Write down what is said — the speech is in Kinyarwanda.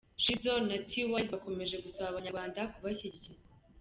Shizzo na T-Wise bakomeje gusaba abanyarwanda kubashyigikira.